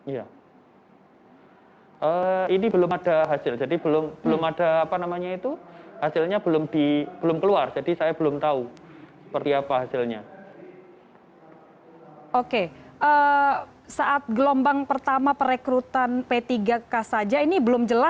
ya ini belum ada hasil jadi belum ada apa namanya itu hasilnya belum keluar jadi saya belum tahu seperti apa hasilnya